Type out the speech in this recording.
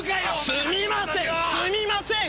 すみませんすみません！